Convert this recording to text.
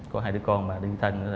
có hai đứa con mà đi thăm